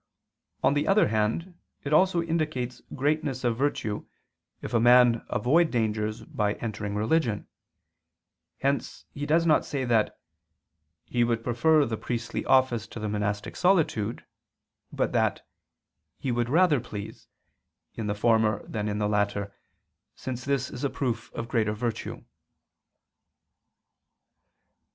on the other hand, it also indicates greatness of virtue if a man avoid dangers by entering religion; hence he does not say that "he would prefer the priestly office to the monastic solitude," but that "he would rather please" in the former than in the latter, since this is a proof of greater virtue.